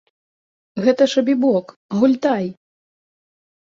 Гэта ж абібок, гультай!